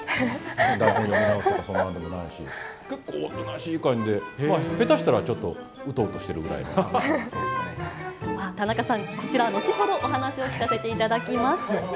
台本読み直すとかそんなのでもないし、結構、おとなしい感じで、下手したらちょっと、田中さん、こちら、後ほどお話を聞かせていただきます。